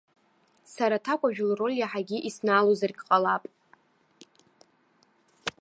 Сара аҭакәажә лроль иаҳагьы иснаалозаргьы ҟалап.